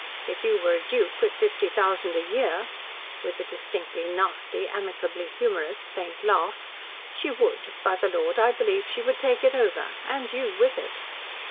"If you were a duke with fifty thousand a year," with a distinctly nasty, amicably humorous, faint laugh, "she would by the Lord, I believe, she would take it over and you with it."